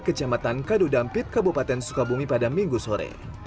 kecamatan kadudampit kabupaten sukabumi pada minggu sore